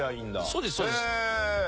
そうですそうです。